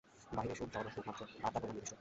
বাইরের সুখ জড়সুখ মাত্র, আর তার পরিমাণ নির্দিষ্ট।